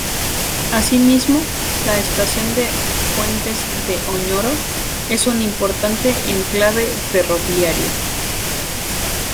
Así mismo, la Estación de Fuentes de Oñoro es un importante enclave ferroviario.